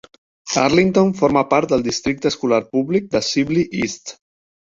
Arlington forma part del districte escolar públic de Sibley East.